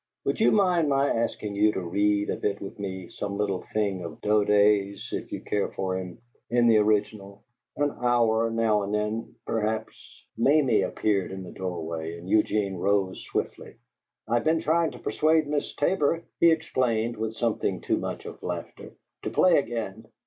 Would you mind my asking you to read a bit with me, some little thing of Daudet's if you care for him, in the original? An hour, now and then, perhaps " Mamie appeared in the doorway and Eugene rose swiftly. "I have been trying to persuade Miss Tabor," he explained, with something too much of laughter, "to play again.